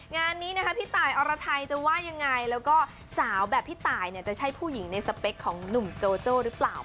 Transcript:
งานนี้นะคะพี่ตายอรไทยจะว่ายังไงแล้วก็สาวแบบพี่ตายเนี่ยจะใช่ผู้หญิงในสเปคของหนุ่มโจโจ้หรือเปล่า